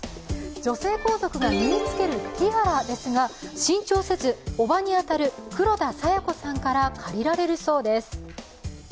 女性皇族が身につけるティアラですが、新調せず、おばに当たる黒田清子さんから借りられるそうです。